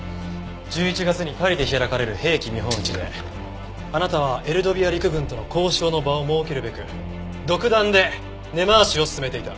１１月にパリで開かれる兵器見本市であなたはエルドビア陸軍との交渉の場を設けるべく独断で根回しを進めていた。